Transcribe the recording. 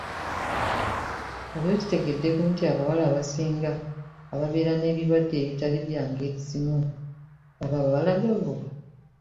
Wali okitegeddeko nti abawala abasinga ababeera n’ebirwadde ebitali bya ngeri zimu baba babalagavu ?